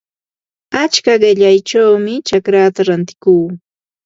Achka qillayćhawmi chacraata rantikuu.